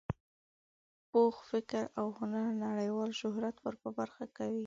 پوخ فکر او هنر نړیوال شهرت ور په برخه کوي.